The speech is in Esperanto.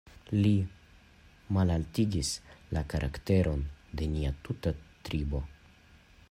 Li malaltigis la karakteron de nia tuta tribo.